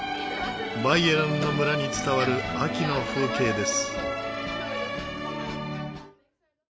バイエルンの村に伝わる秋の風景です。